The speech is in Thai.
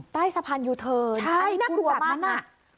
ใต้สะพานอยู่เถินใช่น่ากลัวมากนั้น